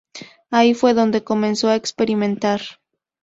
Ahí fue donde comenzó a experimentar.